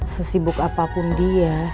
sesibuk apapun dia